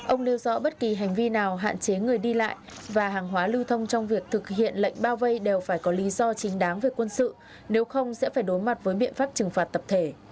ông nêu rõ bất kỳ hành vi nào hạn chế người đi lại và hàng hóa lưu thông trong việc thực hiện lệnh bao vây đều phải có lý do chính đáng về quân sự nếu không sẽ phải đối mặt với biện pháp trừng phạt tập thể